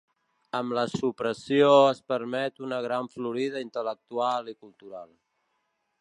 Amb la supressió es permet una gran florida intel·lectual i cultural.